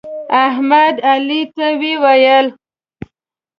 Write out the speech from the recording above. احمد علي ته وویل: